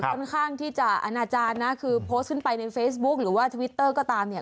ค่อนข้างที่จะอนาจารย์นะคือโพสต์ขึ้นไปในเฟซบุ๊คหรือว่าทวิตเตอร์ก็ตามเนี่ย